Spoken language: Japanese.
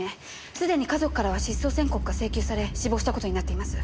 すでに家族からは失踪宣告が請求され死亡した事になっています。